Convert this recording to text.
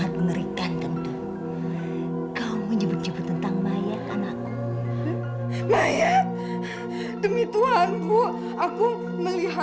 sampai jumpa di video selanjutnya